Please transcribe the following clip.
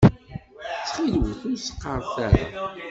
Ttxil-wet ur s-qqaṛet ara.